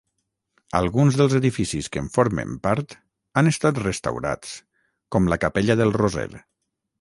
Alguns dels edificis que en formen part han estat restaurats, com la capella del Roser.